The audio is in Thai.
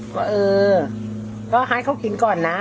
ว่าเออก็ให้เขากินก่อนนะ